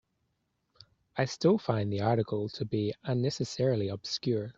I still find the article to be unnecessarily obscure.